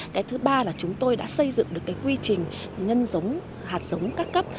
cái thứ ba là chúng tôi đã xây dựng được cái quy trình nhân giống hạt giống các cấp